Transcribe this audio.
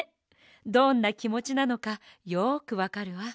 どんなきもちなのかよくわかるわ。